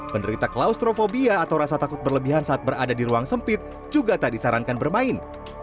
penderita klaustrofobia atau rasa takut berlebihan saat berada di ruang sempit juga tak disarankan bermain